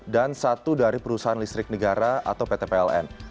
dan satu dari perusahaan listrik negara atau pt pln